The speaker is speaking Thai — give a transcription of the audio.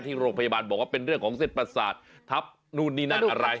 โรงพยาบาลบอกว่าเป็นเรื่องของเส้นประสาททับนู่นนี่นั่นอะไร